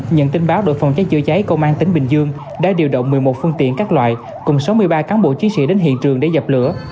nhận tin báo đội phòng cháy chữa cháy công an tỉnh bình dương đã điều động một mươi một phương tiện các loại cùng sáu mươi ba cán bộ chiến sĩ đến hiện trường để dập lửa